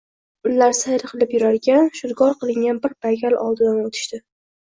Ular sayr qilib yurarkan, shudgor qilingan bir paykal oldidan oʻtishdi